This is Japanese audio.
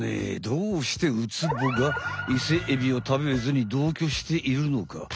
どうしてウツボがイセエビを食べずに同居しているのか？